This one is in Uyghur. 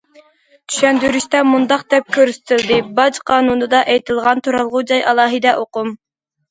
چۈشەندۈرۈشتە مۇنداق دەپ كۆرسىتىلدى: باج قانۇنىدا ئېيتىلغان« تۇرالغۇ جاي» ئالاھىدە ئۇقۇم.